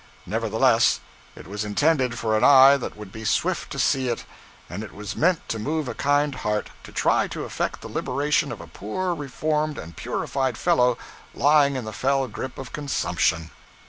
Nevertheless it was intended for an eye that would be swift to see it; and it was meant to move a kind heart to try to effect the liberation of a poor reformed and purified fellow lying in the fell grip of consumption.